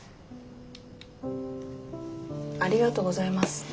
ありがとうございます。